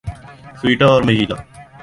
Ceuta اور Melilla